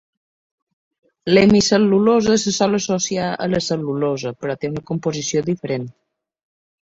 L'hemicel·lulosa se sol associar a la cel·lulosa, però té una composició diferent.